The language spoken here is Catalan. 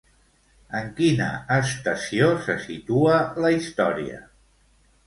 En quina estació se situa la història?